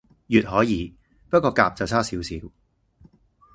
乙可以，不過甲就差少少